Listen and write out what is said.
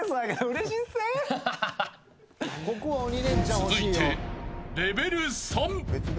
続いて、レベル３。